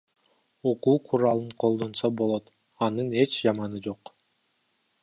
Окуу куралын колдонсо болот, анын эч жаманы жок.